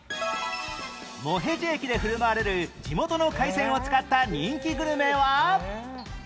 茂辺地駅で振る舞われる地元の海鮮を使った人気グルメは